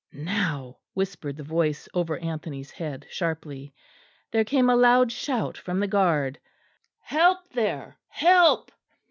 "Now," whispered the voice over Anthony's head sharply. There came a loud shout from the guard, "Help there, help!"